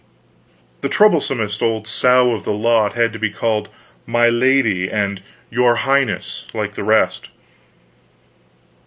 The troublesomest old sow of the lot had to be called my Lady, and your Highness, like the rest.